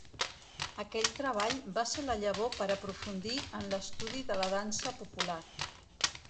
Aquell treball va ser la llavor per aprofundir en l'estudi de la dansa popular.